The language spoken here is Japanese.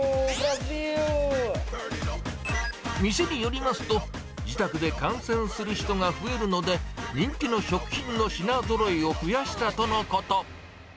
店によりますと、自宅で観戦する人が増えるので、人気の食品の品ぞろえを増やしたとのこと。